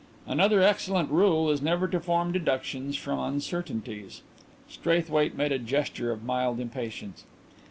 "Another excellent rule is never to form deductions from uncertainties." Straithwaite made a gesture of mild impatience.